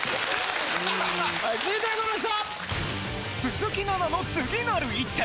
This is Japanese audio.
はい続いてはこの人！